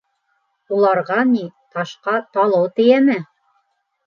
— Уларға ни, ташҡа талыу тейәме!